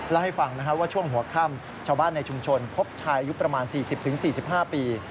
แล้วให้ฟังนะคะว่าช่วงหัวคั่มชาวบ้านในชุมชนพบชายอายุประมาณสี่สิบถึงสี่สิบห้าปี